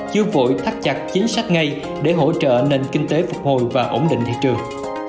chưa vội thắt chặt chính sách ngay để hỗ trợ nền kinh tế phục hồi và ổn định thị trường